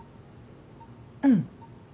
うん。